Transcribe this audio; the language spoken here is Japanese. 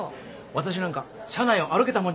私なんか社内を歩けたもんじゃなかった。